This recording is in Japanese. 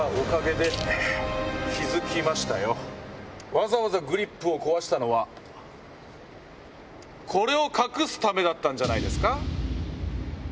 わざわざグリップを壊したのはこれを隠すためだったんじゃないですか？